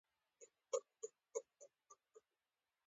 يوازې منګلی تې ژوندی وتی.